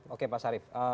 oke pak syarif